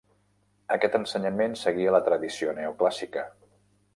Aquest ensenyament seguia la tradició neoclàssica.